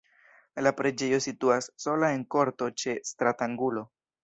La preĝejo situas sola en korto ĉe stratangulo.